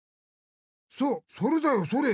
そうそれだよそれ！